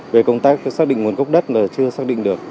về công tác xác định nguồn gốc đất là chưa xác định được